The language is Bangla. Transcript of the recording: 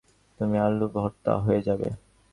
তুমি আলুভর্তা হয়ে যাবে।